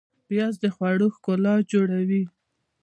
پیاز د خوړو ښکلا جوړوي